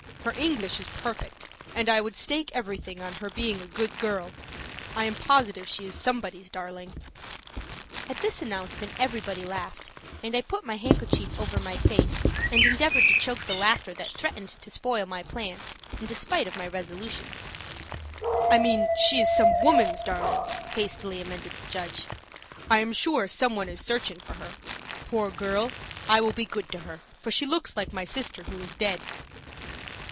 Her English is perfect, and I would stake everything on her being a good girl. I am positive she is somebody's darling." At this announcement everybody laughed, and I put my handkerchief over my face and endeavored to choke the laughter that threatened to spoil my plans, in despite of my resolutions. "I mean she is some woman's darling," hastily amended the judge. "I am sure some one is searching for her. Poor girl, I will be good to her, for she looks like my sister, who is dead."